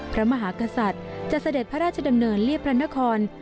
พระมหากษัตริย์จะเสด็จพระราชดำเนินเรียบพระนคร